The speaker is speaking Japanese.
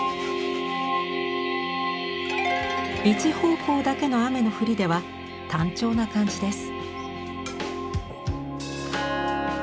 一方向だけの雨の降りでは単調な感じです。